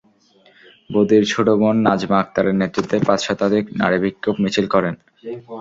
বদির ছোট বোন নাজমা আকতারের নেতৃত্বে পাঁচ শতাধিক নারী বিক্ষোভ মিছিল করেন।